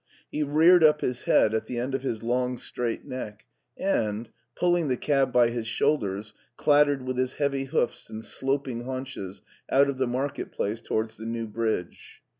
He reared up his head at the end of his long, straight neck, and, pulling the cab by his shoulders, clattered with his heavy hoofs and sloping haunches out of the Market Place towards the New Bridge.